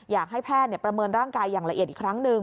อยากให้แพทย์ประเมินร่างกายอย่างละเอียดอีกครั้งหนึ่ง